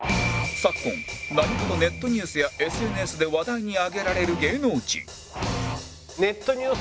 昨今何かとネットニュースや ＳＮＳ で話題にあげられる芸能人